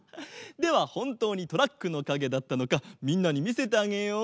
ではほんとうにトラックのかげだったのかみんなにみせてあげよう。